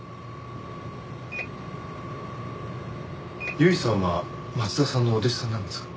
由衣さんは松田さんのお弟子さんなんですか？